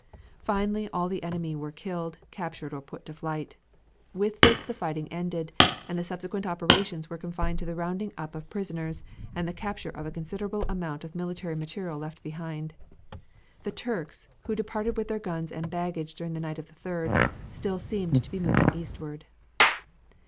Finally all the enemy were killed, captured or put to flight. With this the fighting ended, and the subsequent operations were confined to the rounding up of prisoners, and the capture of a considerable amount of military material left behind. The Turks, who departed with their guns and baggage during the night of the 3d, still seemed to be moving eastward.